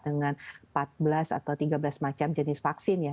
dengan empat belas atau tiga belas macam jenis vaksin ya